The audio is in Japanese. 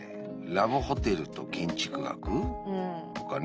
「ラブホテルと建築学」とかね。